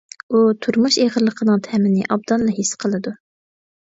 ئۇ تۇرمۇش ئېغىرلىقىنىڭ تەمىنى ئوبدانلا ھېس قىلىدۇ.